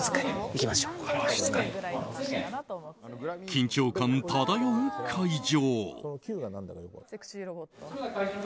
緊張感漂う会場。